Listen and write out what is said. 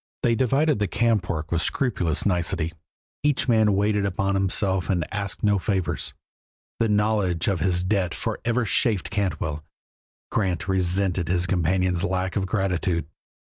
They divided the camp work with scrupulous nicety, each man waited upon himself and asked no favors. The knowledge of his debt forever chafed Cantwell; Grant resented his companion's lack of gratitude.